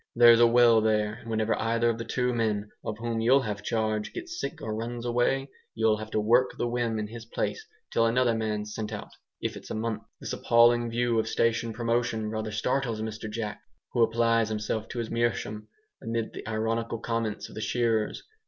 "There's a well there, and whenever either of the two men, of whom you'll have CHARGE, gets sick or runs away, you'll have to work the whim in his place, till another man's sent out, if it's a month." This appalling view of station promotion rather startles Mr Jack, who applies himself to his meerschaum, amid the ironical comments of the shearers.